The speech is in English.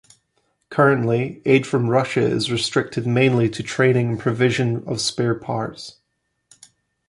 Currently, aid from Russia is restricted mainly to training and provision of spare parts.